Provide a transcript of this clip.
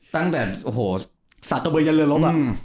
ตั้งแต่โอ้โหสัตว์เบยร์เรือรถอ่ะ